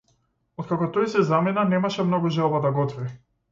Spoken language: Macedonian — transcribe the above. Откако тој си замина, немаше многу желба да готви.